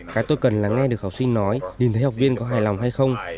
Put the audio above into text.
cái tôi cần lắng nghe được học sinh nói nhìn thấy học viên có hài lòng hay không